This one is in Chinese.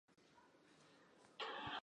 则设于驾驶室的背墙上。